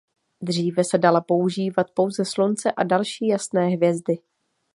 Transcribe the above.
Dříve se dala používat pouze Slunce a další jasné hvězdy.